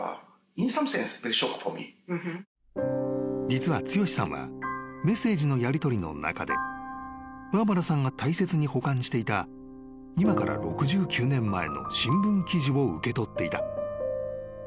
［実は剛志さんはメッセージのやりとりの中でバーバラさんが大切に保管していた今から６９年前の新聞記事を受け取っていた］